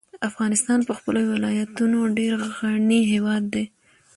افغانستان په خپلو ولایتونو ډېر غني هېواد دی.